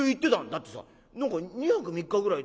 「だってさ何か２泊３日ぐらい。